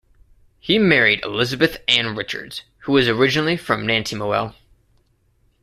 He married Elizabeth Ann Richards, who was originally from Nantymoel.